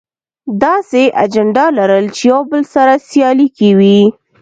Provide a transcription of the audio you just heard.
داسې اجنډا لرل چې يو بل سره سیالي کې وي.